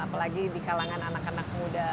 apalagi di kalangan anak anak muda